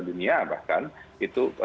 dunia bahkan itu